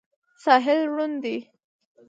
ساحل ړوند دی.